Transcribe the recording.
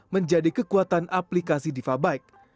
menjadi kekuatan aplikasi diva bike